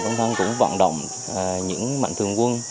vẫn thăng cũng vận động những mạnh thường quân